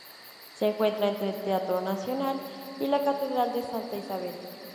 Se encuentra entre el Teatro Nacional y la Catedral de Santa Isabel.